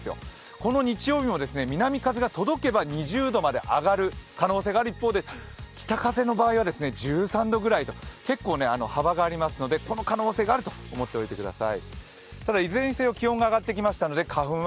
この日曜日も南風が届けば２０度まで上がる可能性がある一方北風の場合は１３度ぐらいと結構、幅がありますのでこの可能性があると思っておいてください。